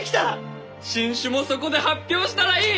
新種もそこで発表したらいい！